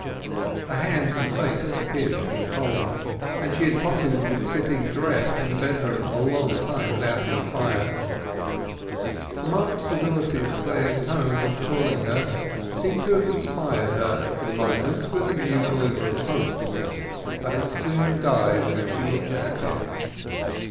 Her hands and face appeared to be cold, and she had possibly been sitting dressed in the bedroom a long time without any fire. The marked civility of Clare's tone in calling her seemed to have inspired her, for the moment, with a new glimmer of hope. But it soon died when she looked at him.